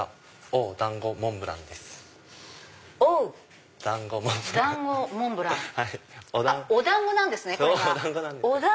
お団子なんですね！